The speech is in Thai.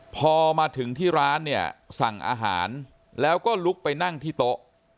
พอมาถึงที่ร้านเนี่ยสั่งอาหารแล้วก็ลุกไปนั่งที่โต๊ะ